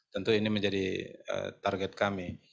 tentu ini menjadi target kami